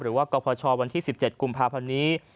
หรือว่ากรพชวันที่๑๗กุมภาพรรณี